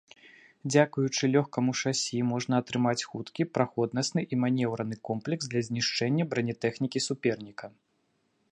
Дзякуючы лёгкаму шасі можна атрымаць хуткі, праходнасны і манеўраны комплекс для знішчэння бранятэхнікі суперніка.